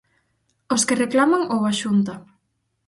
Aos que reclaman ou á Xunta?